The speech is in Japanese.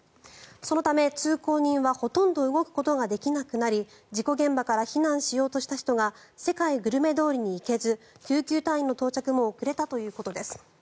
そのため、通行人はほとんど動くことができなくなり事故現場から避難しようとした人が世界グルメ通りに行けず救急隊員の到着も遅れたということです。